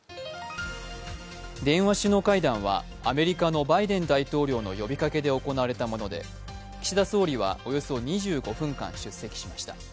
電話首脳会談はアメリカのバイデン大統領の呼びかけで行われたもので岸田総理はおよそ２５分間、出席しました。